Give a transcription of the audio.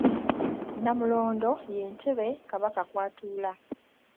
Nnamulondo ye ntebe Kabaka kw'atuula.